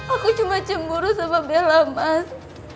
aku cuma cemburu sama bella mas